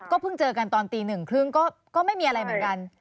เพิ่งเจอกันตอนตีหนึ่งครึ่งก็ไม่มีอะไรเหมือนกัน